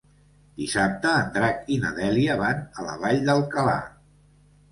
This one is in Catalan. Dissabte en Drac i na Dèlia van a la Vall d'Alcalà.